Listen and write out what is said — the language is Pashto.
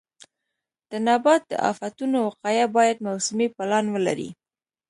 د نبات د آفتونو وقایه باید موسمي پلان ولري.